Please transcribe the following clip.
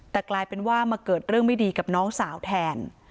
แต่กลายเป็นว่ามาเกิดเรื่องไม่ดีกับน้องสาวแทน